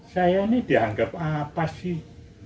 saya ini dianggap apa sih